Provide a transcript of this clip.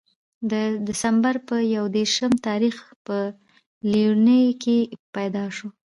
د دسمبر پۀ يو ديرشم تاريخ پۀ ليلوڼۍ کښې پېداشو